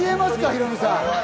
ヒロミさん。